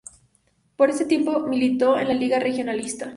Por este tiempo militó en la Lliga Regionalista.